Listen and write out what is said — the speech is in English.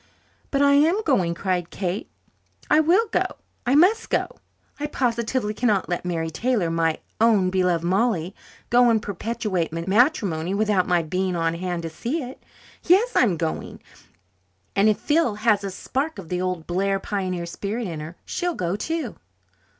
"But I am going," cried Kate. "I will go I must go. I positively cannot let Mary Taylor my own beloved Molly go and perpetrate matrimony without my being on hand to see it. Yes, I'm going and if Phil has a spark of the old Blair pioneer spirit in her, she'll go too."